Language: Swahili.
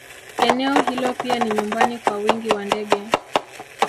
Eneo hilo pia ni nyumbani kwa wingi wa ndege